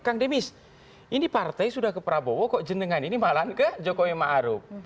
kang demis ini partai sudah ke prabowo kok jenengan ini malah ke jokowi ma'arub